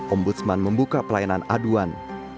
ombudsman membuka pelayanan aduan